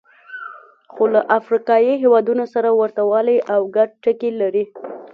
خو له افریقایي هېوادونو سره ورته والی او ګډ ټکي لري.